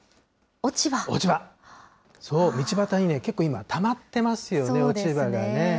落ち葉、そう、道端に結構今、たまってますよね、落ち葉がね。